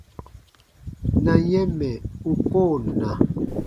Na yɛ̃ mɛ̀ u koo na.